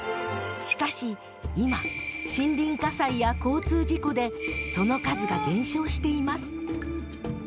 しかし今森林火災や交通事故でその数が減少しています。